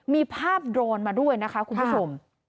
มีภาพโดรนมาด้วยนะคะคุณผู้ชม